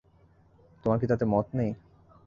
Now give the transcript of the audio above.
তোমার কি তাতে মত নেই?